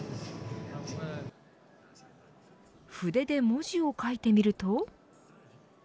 筆で文字を書いてみると。